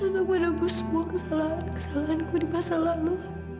untuk menembus semua kesalahanku di masa lalu